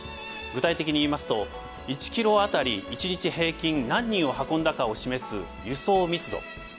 具体的に言いますと１ｋｍあたり１日平均何人を運んだかを示す「輸送密度」